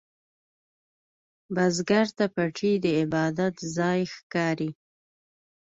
بزګر ته پټی د عبادت ځای ښکاري